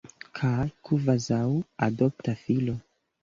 Kaj kvazaŭ adopta filo.